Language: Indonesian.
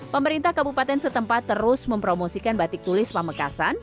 pemerintah kabupaten setempat terus mempromosikan batik tulis pamekasan